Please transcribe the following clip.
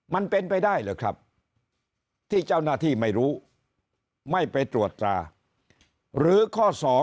มันเป็นไปได้หรือครับที่เจ้าหน้าที่ไม่รู้ไม่ไปตรวจตราหรือข้อ๒